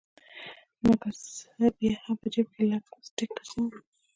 مګر زه بیا هم په جیب کي لپ سټک ګرزوم